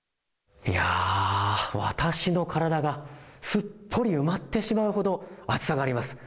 私の体がすっぽり埋まってしまうほど厚さがあります。